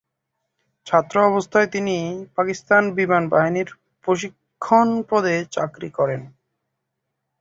ছাত্র অবস্থায় তিনি পাকিস্তান বিমান বাহিনীর প্রশিক্ষণ পদে চাকরি লাভ করেন।